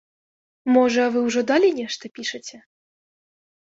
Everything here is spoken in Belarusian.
Можа, вы ўжо далей нешта пішаце?